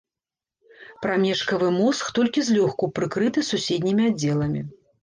Прамежкавы мозг толькі злёгку прыкрыты суседнімі аддзеламі.